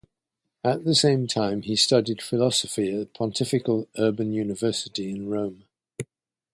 At the same time he studied philosophy at the Pontifical Urban University in Rome.